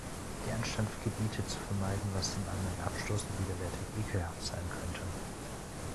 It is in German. Der Anstand gebietet, zu vermeiden, was dem anderen abstoßend, widerwärtig, ekelhaft sein könnte.